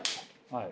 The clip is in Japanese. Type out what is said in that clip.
はい。